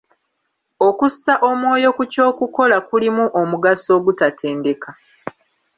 Okussa omwoyo ku ky'okola kulimu omugaso ogutatendeka.